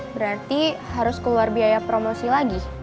berarti harus keluar biaya promosi lagi